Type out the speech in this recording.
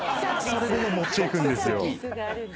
それで持っていくんですよ。